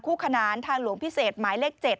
ขนานทางหลวงพิเศษหมายเลข๗